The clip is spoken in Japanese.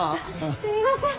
すみません。